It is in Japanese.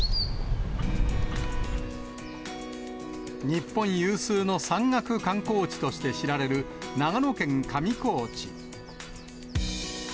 日本有数の山岳観光地として知られる、長野県上高地。